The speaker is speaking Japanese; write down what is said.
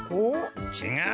ちがう！